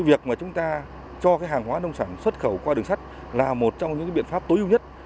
việc mà chúng ta cho cái hàng hóa nông sản xuất khẩu qua đường sắt là một trong những biện pháp tối ưu nhất